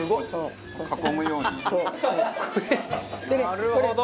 なるほど！